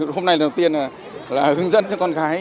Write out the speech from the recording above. hôm nay đầu tiên là hướng dẫn cho con gái